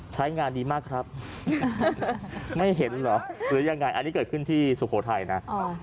ใช้งานดีมากครับไม่เห็นเหรอหรือยังไงอันนี้เกิดขึ้นที่สุโขทัยนะ